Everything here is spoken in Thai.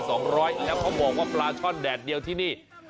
แล้วเขาบอกว่าปลาช่อนแดดเดียวที่นี่